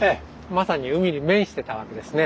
まさに海に面してたわけですね